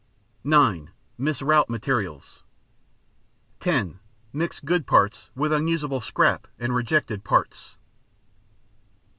(9) Misroute materials. (10) Mix good parts with unusable scrap and rejected parts.